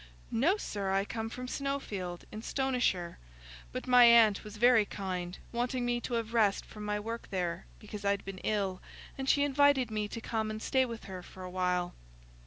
"No, sir, I come from Snowfield, in Stonyshire. But my aunt was very kind, wanting me to have rest from my work there, because I'd been ill, and she invited me to come and stay with her for a while."